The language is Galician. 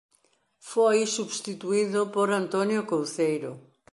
Foi substituído por Antonio Couceiro.